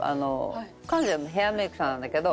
彼女はヘアメイクさんなんだけど。